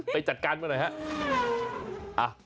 ไปจัดการมาหน่อยครับ